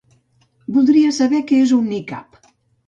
Voldria saber què és un nicab.